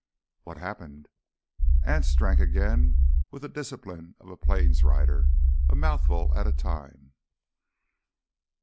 "What happened?" Anse drank again with the discipline of a plains rider, a mouthful at a time.